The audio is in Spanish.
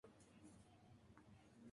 Wario la prueba y ve que no se puede jugar.